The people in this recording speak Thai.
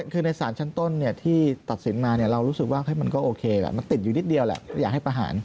คือในศาลชั้นต้นที่ตัดสินมาเรารู้สึกว่ามันก็โอเคแหละมันติดอยู่นิดเดียวแหละอยากให้ประหาร